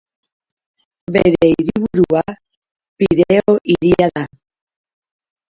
Bere hiriburua Pireo hiria da.